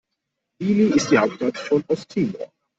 Dili ist die Hauptstadt von Osttimor.